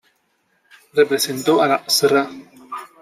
Representó a la Sra.